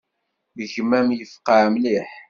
Gma-m yefqeɛ mliḥ.